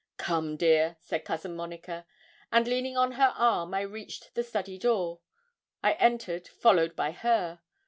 'Come, dear,' said Cousin Monica; and leaning on her arm I reached the study door. I entered, followed by her.